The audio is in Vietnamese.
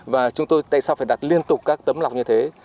và chúng tôi tại sao phải đặt liên tục các tấm lọc như thế